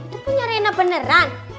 itu punya reyna beneran